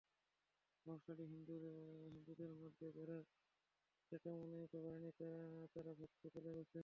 প্রভাবশালী হিন্দুদের মধ্যে যাঁরা সেটা মেনে নিতে পারেননি, তাঁরা ভারতে চলে গেছেন।